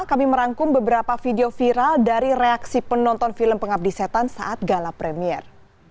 kami merangkum beberapa video viral dari reaksi penonton film pengabdi setan saat gala premier